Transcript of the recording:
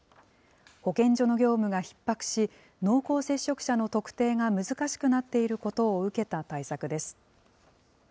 保健所の業務がひっ迫し、濃厚接触者の特定が難しくなっていることを受けた対策です。